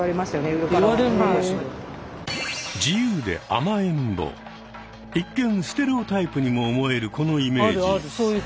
一見ステレオタイプにも思えるこのイメージ。